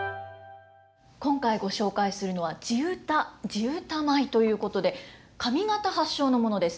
今回ご紹介するのは地唄地唄舞ということで上方発祥のものです。